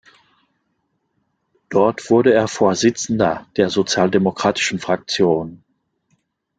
Dort wurde er Vorsitzender der sozialdemokratischen Fraktion.